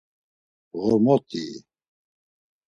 Ğormotii?